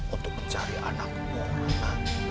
untuk mencari anakmu ratna